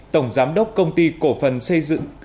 tổng giám đốc công ty cổ phần xây dựng